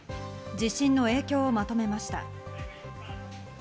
地震の影響をまとめました。